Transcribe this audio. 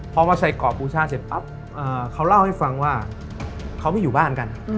พอมาใส่กรอบบูชาเสร็จปั๊บเขาเล่าให้ฟังว่าเขาไม่อยู่บ้านกัน